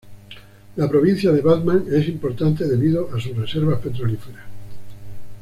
La provincia de Batman es importante debido a sus reservas petrolíferas.